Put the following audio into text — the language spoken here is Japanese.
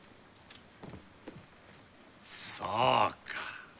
そうか。